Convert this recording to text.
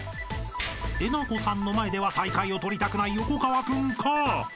［えなこさんの前では最下位を取りたくない横川君か？］